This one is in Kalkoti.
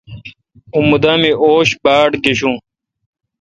اں مودہ می اوش باڑگشوں۔